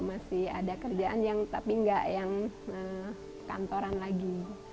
ada kerjaan yang tapi enggak yang kantoran lagi